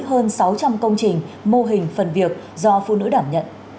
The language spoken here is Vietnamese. hơn sáu trăm linh công trình mô hình phần việc do phụ nữ đảm nhận